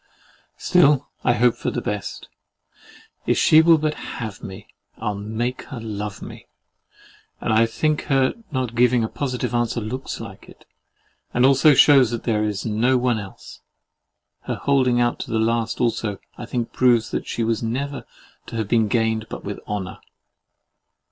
Still I hope for the best. If she will but HAVE me, I'll make her LOVE me: and I think her not giving a positive answer looks like it, and also shews that there is no one else. Her holding out to the last also, I think, proves that she was never to have been gained but with honour.